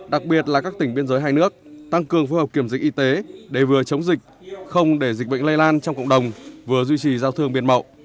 đặc biệt là các tỉnh biên giới hai nước tăng cường phối hợp kiểm dịch y tế để vừa chống dịch không để dịch bệnh lây lan trong cộng đồng vừa duy trì giao thương biên mậu